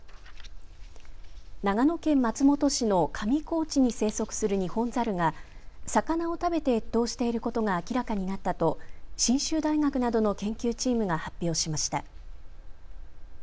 長野県松本市の上高地に生息するニホンザルが魚を食べて越冬していることが明らかになったと信州大学などの研究チームが発表しました。